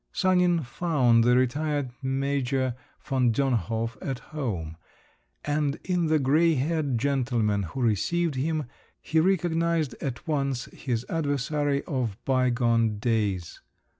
Sanin found the retired major von Dönhof at home, and in the grey haired gentleman who received him he recognised at once his adversary of bygone days.